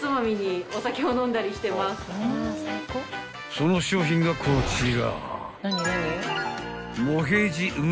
［その商品がこちら］